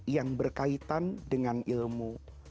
yang berkaitan dengan ilmu